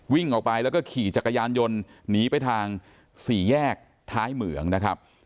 วิ่งออกไปแล้วก็ขี่จักรยานยนต์หนีไปทางสี่แยกท้ายเหมืองนะครับ